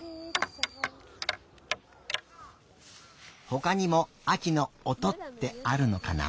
ほかにもあきの「おと」ってあるのかな。